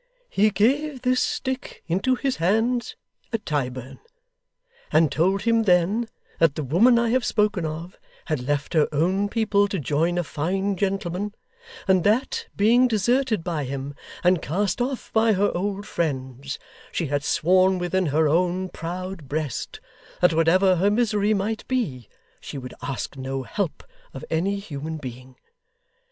He gave this stick into his hands at Tyburn, and told him then, that the woman I have spoken of had left her own people to join a fine gentleman, and that, being deserted by him, and cast off by her old friends, she had sworn within her own proud breast, that whatever her misery might be, she would ask no help of any human being.